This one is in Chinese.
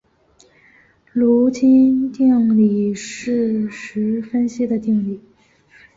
卢津定理是实分析的定理。